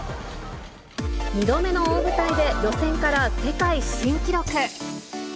２度目の大舞台で予選から世界新記録。